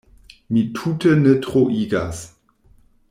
Mi tute ne troigas.